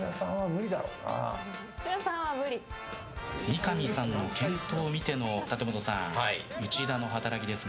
三上さんの健闘を見ての立本さん内田の働きですが。